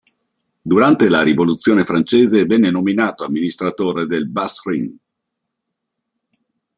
Durante la rivoluzione francese venne nominato amministratore del Bas-Rhin.